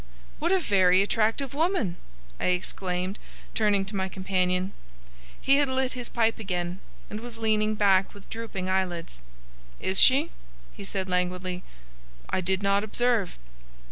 "What a very attractive woman!" I exclaimed, turning to my companion. He had lit his pipe again, and was leaning back with drooping eyelids. "Is she?" he said, languidly. "I did not observe."